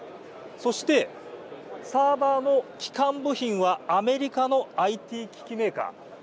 そしてサーバーの基幹部品はアメリカのＩＴ機器メーカー。